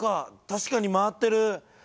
確かに回ってる。